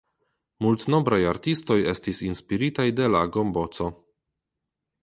Multnombraj artistoj estis inspiritaj de la gomboco.